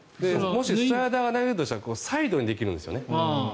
もしスライダーを投げるとしたらサイドにできるんですよね。